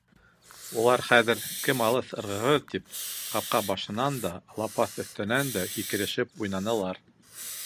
Улар хәҙер, «кем алыҫ ырғыр» тип, ҡапҡа башынан да, лапаҫ өҫтөнән дә һикерешеп уйнанылар.